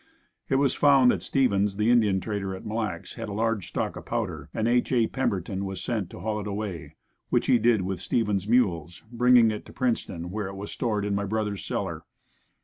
It was found that Stevens the Indian trader at Mille Lacs had a large stock of powder, and H. A. Pemberton was sent to haul it away, which he did with Stevens mules, bringing it to Princeton where it was stored in my brother's cellar.